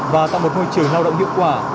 và tạo một môi trường lao động hiệu quả